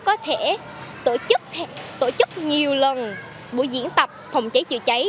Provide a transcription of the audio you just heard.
các thầy cô giáo có thể tổ chức nhiều lần buổi diễn tập phòng cháy chữa cháy